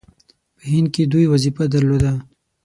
په هند کې دوی وظیفه درلوده.